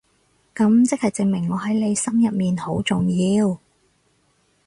噉即係證明我喺你心入面好重要